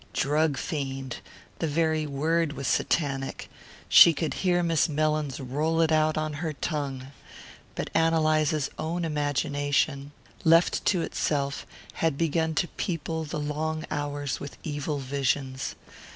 "Drug fiend" the very word was Satanic; she could hear Miss Mellins roll it on her tongue. But Ann Eliza's own imagination, left to itself, had begun to people the long hours with evil visions.